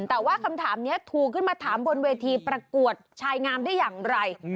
แต่ว่าคำถามนี้ถูกขึ้นมาถามบนเวทีประกวดชายงามได้อย่างไร